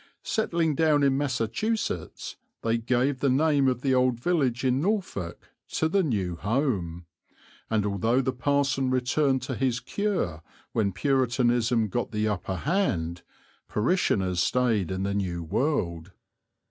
Settling down in Massachusetts, they gave the name of the old village in Norfolk to the new home, and although the parson returned to his cure when Puritanism got the upper hand, parishioners stayed in the new world.